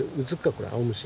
これ青虫。